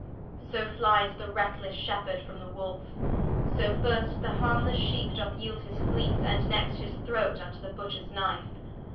So flies the wreaklesse shepherd from y Wolfe: So first the harmlesse Sheepe doth yeeld his Fleece, And next his Throate, vnto the Butchers Knife.